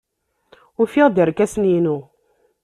Ufiɣ-d irkasen-inu.